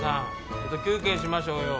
ちょっと休憩しましょうよ。